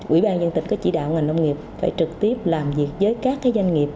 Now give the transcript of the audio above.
ubnd có chỉ đạo ngành nông nghiệp phải trực tiếp làm việc với các doanh nghiệp